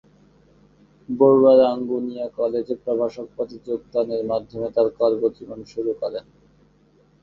বড়ুয়া রাঙ্গুনিয়া কলেজে প্রভাষক পদে যোগদানের মাধ্যমে তার কর্মজীবন শুরু করেন।